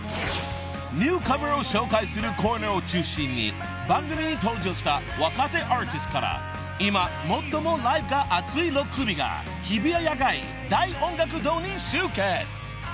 ［ニューカマーを紹介するコーナーを中心に番組に登場した若手アーティストから今最もライブが熱い６組が日比谷野外大音楽堂に集結］